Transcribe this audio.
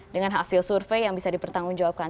dengan hasil survei yang bisa dipertanggung jawabkan